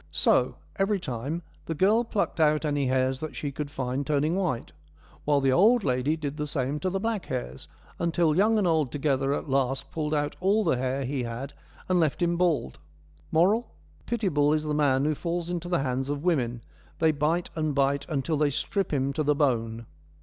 So, every time, the girl plucked out any hairs that she could find turning white, while the old lady did the same to the black hairs, until young and old together at last pulled out all the hair he had and left him bald. Moral : Pitiable is the man who falls into the hands of women : they bite and bite until they strip him to the bone.